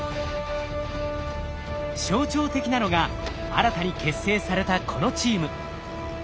象徴的なのが新たに結成されたこのチーム。